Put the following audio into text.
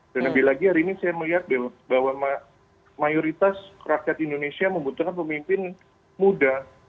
dan lebih lagi hari ini saya melihat bahwa mayoritas rakyat di indonesia membutuhkan pemimpin muda